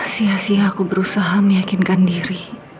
sia sia aku berusaha meyakinkan diri